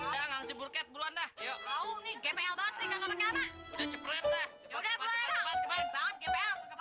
jangan sekali sekali dan sekali dipermainkan sama tunggawakat